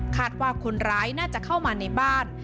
คาดว่าคนร้ายน่าจะเข้ามาในบ้าน